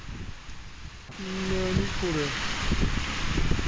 何これ。